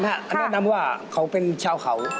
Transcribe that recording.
พระญาติฮะแนะนำว่าเขาเป็นชาวเขา